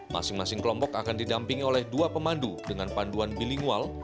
masing masing kelompok akan didampingi oleh dua pemandu dengan panduan bilingual